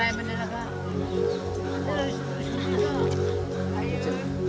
bungu bungu ini juga berguna